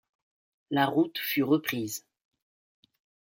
La route fut reprise.